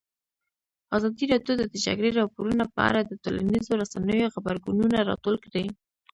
ازادي راډیو د د جګړې راپورونه په اړه د ټولنیزو رسنیو غبرګونونه راټول کړي.